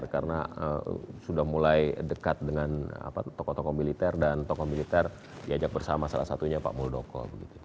karena sudah mulai dekat dengan tokoh tokoh militer dan tokoh militer diajak bersama salah satunya pak muldoko